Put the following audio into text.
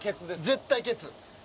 絶対ケツ。